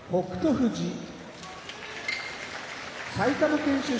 富士埼玉県出身